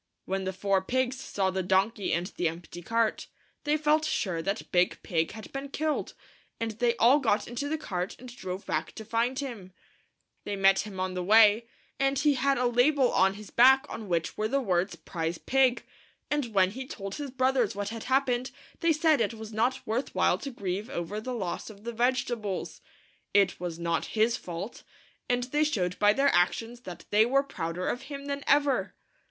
When the four pigs saw the donkey and the empty cart, they felt sure that Big Pig had been killed, and they all got into the cart and drove back to find him. They met him on the way, and he had a label on 152 THE FIVE LITTLE PIGS Os# 153 DIG PIG GOING TO MARKET. THE FIVE LITIlE PIGS. his back on which were the words PRIZE PIG; and when he told his brothers what had happened, they said it was not worth while to grieve over the loss of the vegetables. It was not his fault ; and they showed by their actions that they were prouder of him than ever.